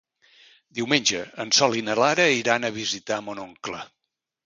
Diumenge en Sol i na Lara iran a visitar mon oncle.